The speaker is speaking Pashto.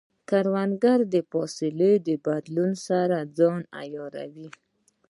کروندګر د فصلونو د بدلون سره ځان عیاروي